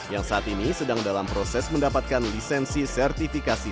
yang saat ini sedang dalam proses mendapatkan lisensi sertifikasi